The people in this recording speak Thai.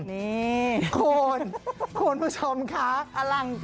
นี่ขนขนผู้ชมค่ะอล่างกาก